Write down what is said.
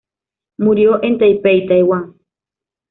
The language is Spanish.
Murió en Taipei, Taiwán.